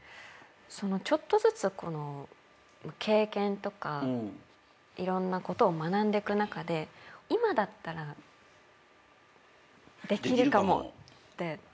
ちょっとずつ経験とかいろんなことを学んでく中で今だったらできるかもって。